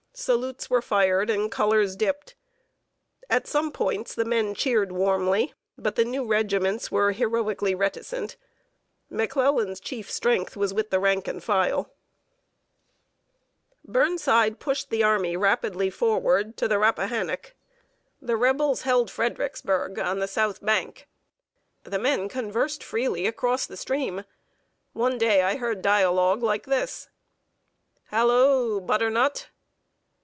Salutes were fired and colors dipped. At some points, the men cheered warmly, but the new regiments were "heroically reticent." McClellan's chief strength was with the rank and file. [Sidenote: PICKETS TALKING ACROSS THE RIVER.] Burnside pushed the army rapidly forward to the Rappahannock. The Rebels held Fredericksburg, on the south bank. The men conversed freely across the stream. One day I heard a dialogue like this: "Halloo, butternut!"